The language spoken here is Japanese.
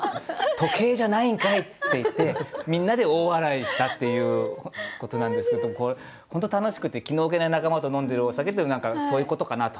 「時計じゃないんかい！」って言ってみんなで大笑いしたっていうことなんですけど本当に楽しくて気の置けない仲間と飲んでるお酒っていうのは何かそういうことかなと。